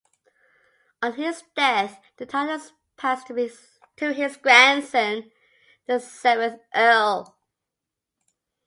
On his death the titles passed to his grandson, the seventh Earl.